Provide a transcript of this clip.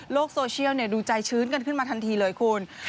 โซเชียลดูใจชื้นกันขึ้นมาทันทีเลยคุณ